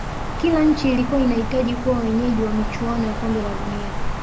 Kila nchi ilikuwa inahitaji kuwa wenyeji wa michuano ya kombe la dunia